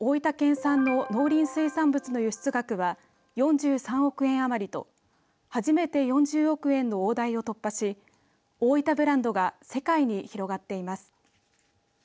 産の農林水産物の輸出額は４３億円余りと初めて４０億円の大台を突破しおおいたブランドが世界に広がってます。